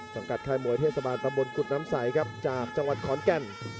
ค่ายมวยเทศบาลตำบลกุฎน้ำใสครับจากจังหวัดขอนแก่น